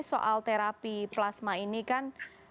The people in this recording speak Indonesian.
soal terapi plasma ini kan